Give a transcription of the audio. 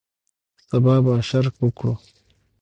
سبا به اشر وکړو